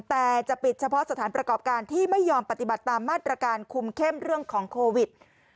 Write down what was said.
แต่จะปิดเฉพาะสถานประกอบการที่ไม่ยอมปฏิบัติตามมาตรการคุมเข้มเรื่องของโควิด